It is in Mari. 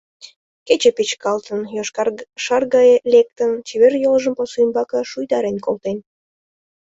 Кече печкалтын, йошкар шар гае лектын, чевер йолжым пасу ӱмбаке шуйдарен колтен.